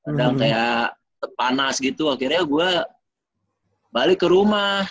kadang kayak panas gitu akhirnya gue balik ke rumah